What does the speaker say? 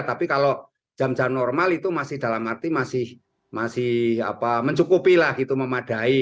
tapi kalau jam jam normal itu masih dalam arti masih mencukupi lah gitu memadai